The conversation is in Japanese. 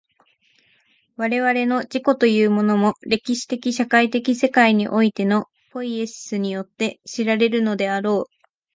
我々の自己というものも、歴史的社会的世界においてのポイエシスによって知られるのであろう。